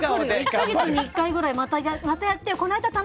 １か月に１回ぐらいまたやってよ！